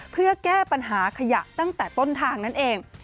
เพื่อแก้ปัญหาขยะตั้งแต่ต้นทางนั่นเอง